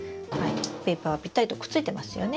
ペーパーはぴったりとくっついてますよね？